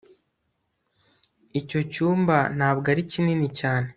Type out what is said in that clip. icyo cyumba ntabwo ari kinini cyane